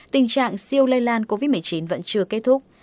tình trạng siêu lây lan covid một mươi chín vẫn chưa kết thúc